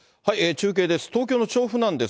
中継です。